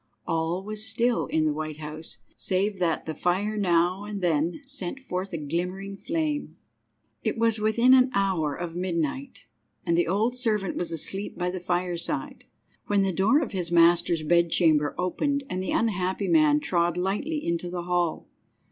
All was still in the White House, save that the fire now and then sent forth a glimmering flame. III. It was within an hour of midnight, and the old servant was asleep by the fireside, when the door of his master's bedchamber opened and the unhappy man trod lightly into the hall.